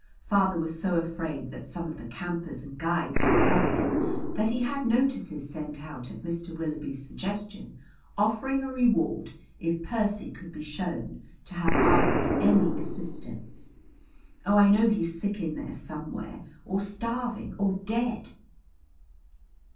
Father was so afraid that some of the campers and guides would help him that he had notices sent out at Mr. Willoughby's suggestion offering a reward if Percy could be shown to have asked any assistance. Oh, I know he's sick in there somewhere, or starving or dead!"